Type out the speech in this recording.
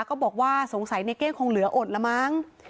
ก็บอกว่าสงสัยในเก้งคงเหลืออดละมั้ง